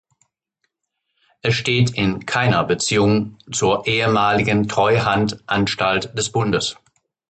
Es steht in keiner Beziehung zur ehemaligen Treuhandanstalt des Bundes.